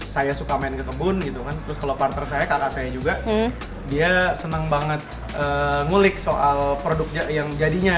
saya suka main ke kebun gitu kan terus kalau partner saya kakak saya juga dia senang banget ngulik soal produk yang jadinya